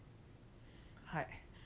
はい。